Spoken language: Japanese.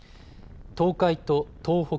東海と東北